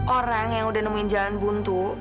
orang yang udah nemuin jalan buntu